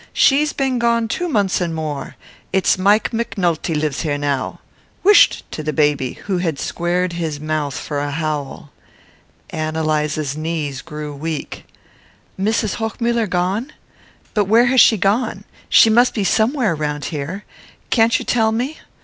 She's been gone two months and more. It's Mike McNulty lives here now. Whisht!" to the baby, who had squared his mouth for a howl. Ann Eliza's knees grew weak. "Mrs. Hochmuller gone? But where has she gone? She must be somewhere round here. Can't you tell me?"